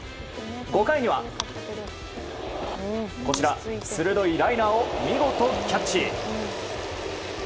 ５回には鋭いライナーを見事キャッチ。